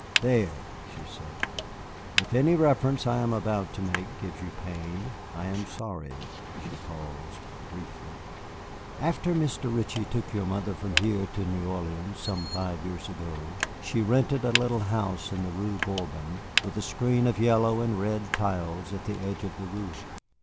"There!" she said. "If any reference I am about to make gives you pain, I am sorry." She paused briefly. "After Mr. Ritchie took your mother from here to New Orleans, some five years ago, she rented a little house in the Rue Bourbon with a screen of yellow and red tiles at the edge of the roof.